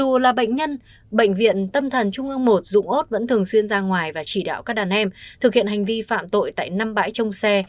dù là bệnh nhân bệnh viện tâm thần trung ương i dũng út vẫn thường xuyên ra ngoài và chỉ đạo các đàn em thực hiện hành vi phạm tội tại năm bãi trong xe